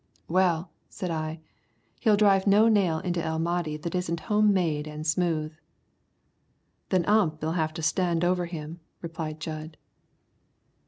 "Well," said I, "he'll drive no nail into El Mahdi that isn't home made and smooth." "Then Ump 'ill have to stand over him," replied Jud.